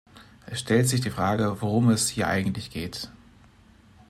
Es stellt sich die Frage, worum es hier eigentlich geht.